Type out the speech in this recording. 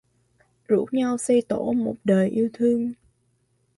Rủ nhau xây tổ một đời yêu thương